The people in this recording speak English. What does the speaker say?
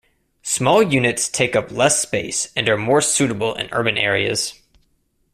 Small units take up less space, and are more suitable in urban areas.